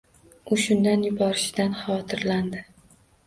U shundan yuborishidan xavotirlandi